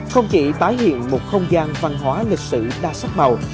không chỉ tái hiện một không gian văn hóa lịch sử đa sắc màu